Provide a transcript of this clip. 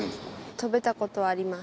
跳べたことはあります。